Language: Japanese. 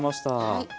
はい。